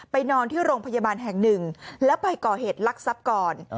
นอนที่โรงพยาบาลแห่งหนึ่งแล้วไปก่อเหตุลักษัพก่อน